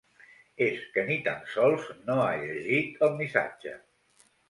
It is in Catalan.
És que ni tan sols no ha llegit el missatge.